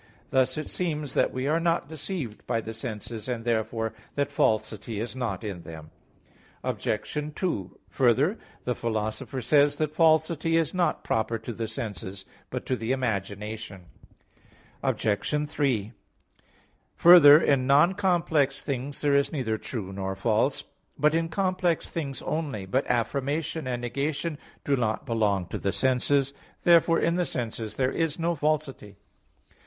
Thus it seems that we are not deceived by the senses; and therefore that falsity is not in them. Obj. 2: Further, the Philosopher says (Metaph. iv, 24) that falsity is not proper to the senses, but to the imagination. Obj. 3: Further, in non complex things there is neither true nor false, but in complex things only. But affirmation and negation do not belong to the senses. Therefore in the senses there is no falsity.